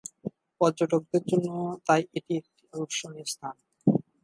পর্যটকদের জন্য তাই এটি একটি আকর্ষণীয় স্থান।